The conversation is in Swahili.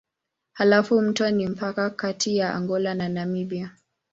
Halafu mto ni mpaka kati ya Angola na Namibia.